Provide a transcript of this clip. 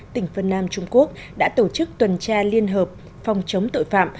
tỉnh vân nam trung quốc đã tổ chức tuần tra liên hợp phòng chống tội phạm